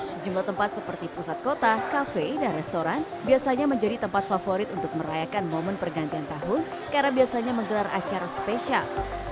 sejumlah tempat seperti pusat kota kafe dan restoran biasanya menjadi tempat favorit untuk merayakan momen pergantian tahun karena biasanya menggelar acara spesial